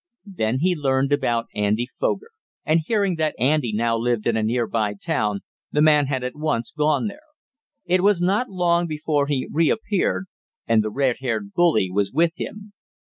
Then he learned about Andy Foger, and, hearing that Andy now lived in a nearby town, the man had at once gone there. It was not long before he reappeared and the red haired bully was with him.